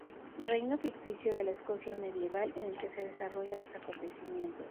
Reino ficticio de la Escocia medieval en el que se desarrollan los acontecimientos.